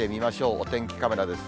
お天気カメラです。